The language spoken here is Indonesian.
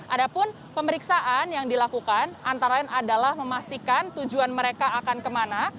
ada pun pemeriksaan yang dilakukan antara lain adalah memastikan tujuan mereka akan kemana